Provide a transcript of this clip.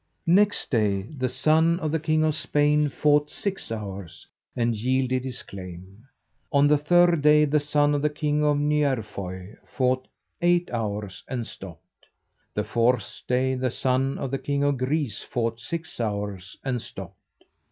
Next day the son of the king of Spain fought six hours, and yielded his claim. On the third day the son of the king of Nyerfói fought eight hours, and stopped. The fourth day the son of the king of Greece fought six hours, and stopped.